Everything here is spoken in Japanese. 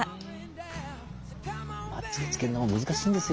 マッチでつけんのも難しいんですよ。